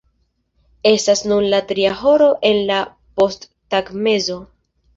Estas nun la tria horo en la posttagmezo.